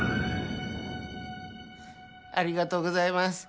ありがとうございます。